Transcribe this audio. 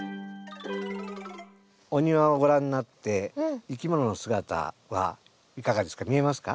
お庭をご覧なっていきものの姿はいかがですか？